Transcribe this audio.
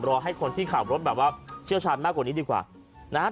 รอให้คนที่ขับรถเชื่อชาญมากกว่านี้ดีกว่านะฮะ